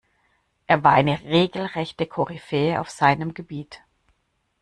Er war eine regelrechte Koryphäe auf seinem Gebiet.